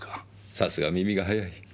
さすが耳が早い。